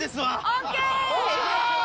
ＯＫ！